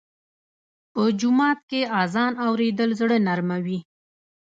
په جومات کې اذان اورېدل زړه نرموي.